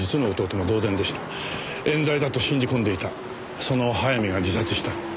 冤罪だと信じ込んでいたその早見が自殺した。